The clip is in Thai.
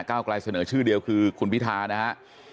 กลายเสนอชื่อเดียวคือคุณพิธานะฮะ